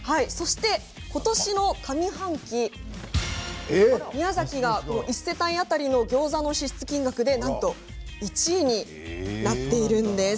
ことしの上半期宮崎は１世帯当たりのギョーザの支出金額でなんと１位になっているんです。